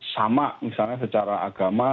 sama misalnya secara agama